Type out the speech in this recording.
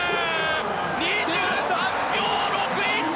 ２３秒６１！